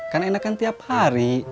kan enakan tiap hari